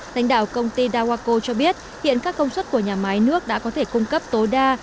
thánh đạo công ty dawako cho biết hiện các công suất của nhà máy nước đã có thể cung cấp tối đa